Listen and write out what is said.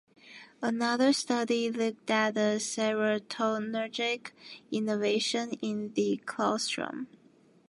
Another study looked at the serotonergic innervation in the claustrum.